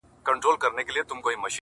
هغه سر مي تور لحد ته برابر کړ!!